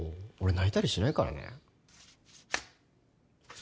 俺泣いたりしないからね。